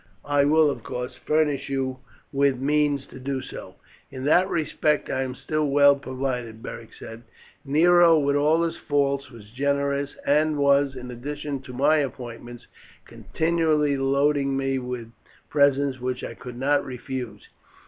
I will, of course, furnish you with means to do so." "In that respect I am still well provided," Beric said. "Nero, with all his faults, was generous, and was, in addition to my appointments, continually loading me with presents, which I could not refuse.